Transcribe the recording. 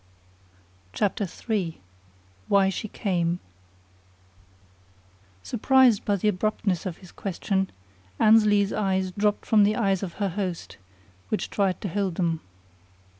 CHAPTER III WHY SHE CAME Surprised by the abruptness of his question, Annesley's eyes dropped from the eyes of her host, which tried to hold them.